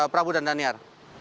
prabu dan daniar